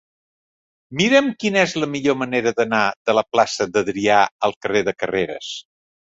Mira'm quina és la millor manera d'anar de la plaça d'Adrià al carrer de Carreras.